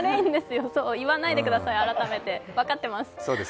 言わないでください、改めて。分かってます。